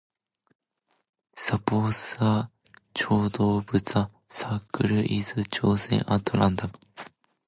Suppose a chord of the circle is chosen at random.